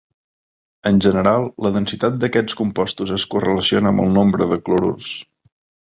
En general, la densitat d'aquests compostos es correlaciona amb el nombre de clorurs.